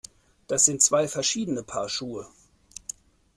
Das sind zwei verschiedene Paar Schuhe!